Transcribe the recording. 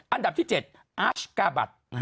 อันดับที่๗อาชกาบัตร